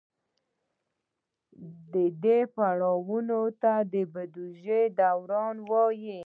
دې پړاوونو ته د بودیجې دوران وایي.